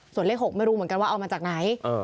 ส่วนเลข๖ไม่รู้เหมือนกันว่าเอามาจากไหน